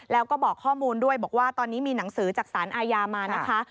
แล้วก็บอกข้อมูลด้วยบอกว่าตอนนี้มีหนังสือจากสารอาญามานะคะ